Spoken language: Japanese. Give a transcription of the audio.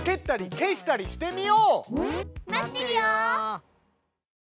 待ってるよ！